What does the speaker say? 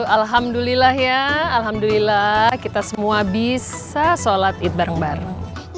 alhamdulillah ya alhamdulillah kita semua bisa sholat id bareng bareng